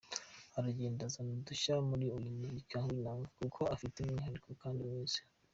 Aragenda azana udushya muri uyu muziki w’inanga, kuko afitemo umwihariko kandi mwiza.